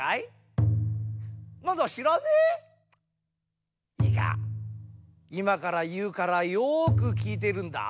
なんだしらねえ？いいかいまからいうからよくきいてるんだ。